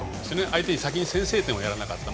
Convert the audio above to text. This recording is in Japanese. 相手に先に先制点をやらなかった。